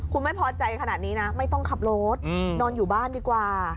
คุณไม่พอใจขนาดนี้นะไม่ต้องขับรถนอนอยู่บ้านดีกว่า